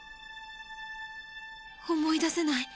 思い出せない